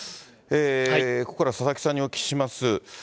ここからは佐々木さんにお聞きします。